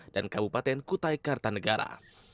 dan kabupaten kutai kartanegara